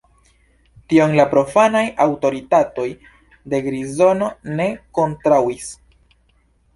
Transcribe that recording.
Tion la profanaj aŭtoritatoj de Grizono ne kontraŭis.